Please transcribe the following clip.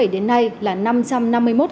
bảy đến nay là năm trăm năm mươi một ca